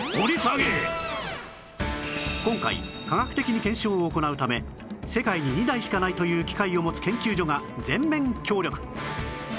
今回科学的に検証を行うため世界に２台しかないという機械を持つ研究所が全面協力